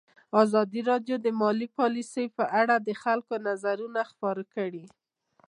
ازادي راډیو د مالي پالیسي په اړه د خلکو نظرونه خپاره کړي.